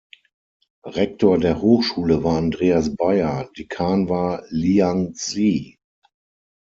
Rektor der Hochschule war Andreas Bayer; Dekan war Liang Zhi.